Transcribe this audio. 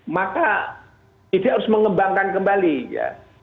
maka id harus mengembangkan kembali ya